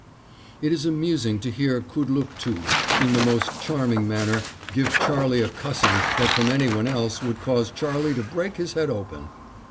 It is amusing to hear Kudlooktoo in the most charming manner give Charley a cussing that from any one else would cause Charley to break his head open.